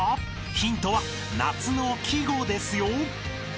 ［ヒントは夏の季語ですよ］